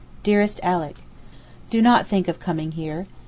DEAREST ALICK, Do not think of coming here.